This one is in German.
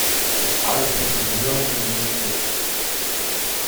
Das alles geht ihm gehörig gegen den Strich.